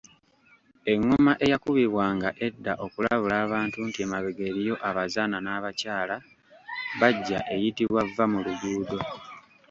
Engoma eyakubibwanga edda okulabula abantu nti emabega eriyo abazaana n’abakyala bajja eyitibwa Vvamuluguudo